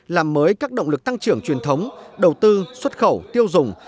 làm mới các động lực tăng trưởng truyền thống đầu tư xuất khẩu tiêu dùng